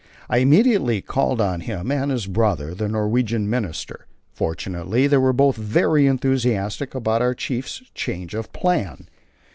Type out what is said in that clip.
I immediately called on him and his brother, the Norwegian Minister; fortunately, they were both very enthusiastic about our Chief's change of plan.